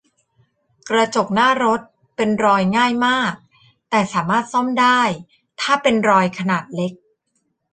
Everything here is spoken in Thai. กระจกหน้ารถเป็นรอยง่ายมาก แต่สามารถซ่อมได้ ถ้าเป็นรอยขนาดเล็ก